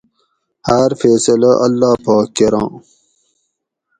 ھار فیصلہ اللّٰہ پاک کۤراں